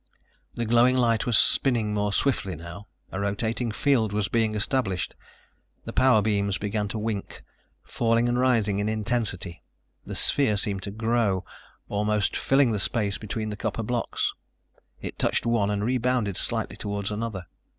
The glowing light was spinning more swiftly now. A rotating field was being established. The power beams began to wink, falling and rising in intensity. The sphere seemed to grow, almost filling the space between the copper blocks. It touched one and rebounded slightly toward another.